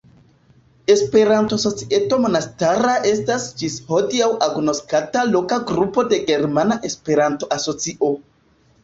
Esperanto-Societo Monastera estas ĝis hodiaŭ agnoskata loka grupo de Germana Esperanto-Asocio.